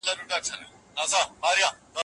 امریکایان دا غږونه خیالي ګڼي.